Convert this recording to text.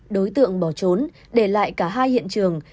đối tượng bỏ trốn để lại cả hai hiện trường